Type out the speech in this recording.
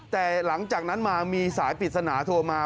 แต่หลังจากนั้นมามีสายปริศนาโทรมา